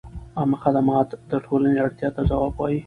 عامه خدمت د ټولنې اړتیاوو ته ځواب وايي.